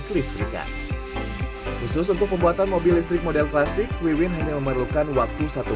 kelistrikan khusus untuk pembuatan mobil listrik model klasik wiwin hanya memerlukan waktu satu